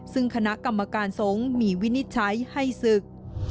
ซึ่งคณะกรรมการทรงมีวินิจใช้ให้ศึก